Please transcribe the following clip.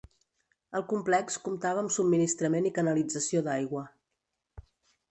El complex comptava amb subministrament i canalització d'aigua.